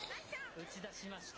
打ち出しました。